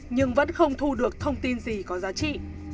nhưng vẫn không thu được thông tin gì có giá trị